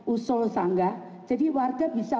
usul sangga jadi warga bisa